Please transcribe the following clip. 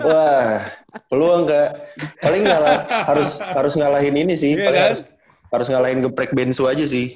wah peluang nggak paling nggak lah harus ngalahin ini sih harus ngalahin geprek bensu aja sih